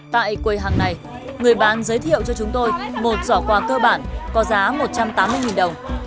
tại quầy hàng này người bán giới thiệu cho chúng tôi một giỏ quà cơ bản có giá một trăm tám mươi đồng